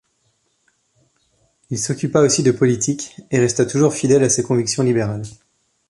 Il s'occupa aussi de politique et resta toujours fidèle à ses convictions libérales.